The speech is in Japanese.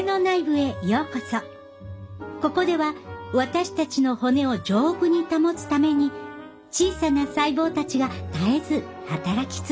ここでは私たちの骨を丈夫に保つために小さな細胞たちが絶えず働き続けています。